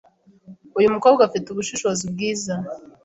Uyu mukobwa afite ubushishozi bwiza.